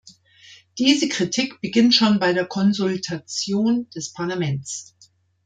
Diese Kritik beginnt schon bei der Konsultation des Parlaments.